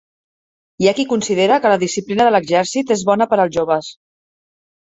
Hi ha qui considera que la disciplina de l'exèrcit és bona per als joves.